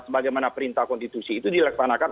sebagaimana perintah konstitusi itu dilaksanakan